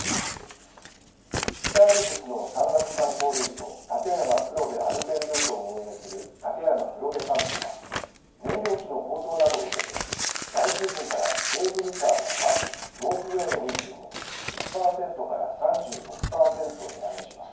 北アルプスの山岳観光ルート立山黒部アルペンルートを運営する立山黒部貫光は燃料費の高騰などを受けて来シーズンからケーブルカーやバスロープウエーの運賃を１０パーセントから３６パーセント値上げします。